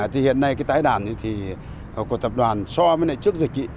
thì hiện nay cái tái đàn thì của tập đoàn so với trước dịch